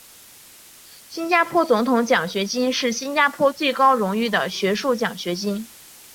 新加坡总统奖学金是新加坡最高荣誉的学术奖学金。